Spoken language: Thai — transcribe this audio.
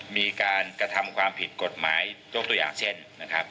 มีการกระทำความผิดกฎหมายยกตัวอย่างเช่นนะครับ